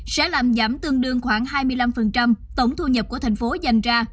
sẽ làm giảm tương đương khoảng hai mươi năm tổng thu nhập của thành phố dành ra